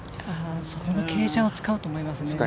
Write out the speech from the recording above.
傾斜を使うと思います。